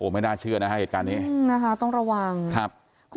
ไม่น่าเชื่อนะฮะเหตุการณ์นี้นะคะต้องระวังครับ